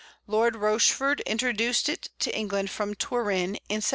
Lord Rochford introduced it to England from Turin in 1758.